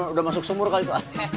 udah masuk sumur kali pak